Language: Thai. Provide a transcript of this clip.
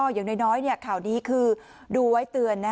อย่างน้อยข่าวนี้คือดูไว้เตือน